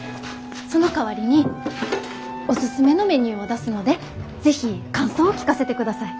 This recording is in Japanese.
そのかわりにおすすめのメニューを出すので是非感想を聞かせてください。